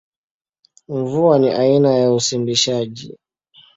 Mvua ni aina ya usimbishaji.